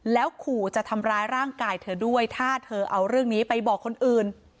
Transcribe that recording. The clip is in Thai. แล้วขู่จะทำร้ายร่างกายเธอด้วยถ้าเธอเอาเรื่องนี้ไปบอกคนอื่น